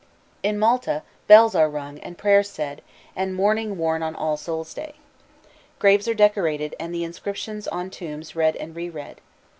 _ In Malta bells are rung, prayers said, and mourning worn on All Souls' Day. Graves are decorated, and the inscriptions on tombs read and reread.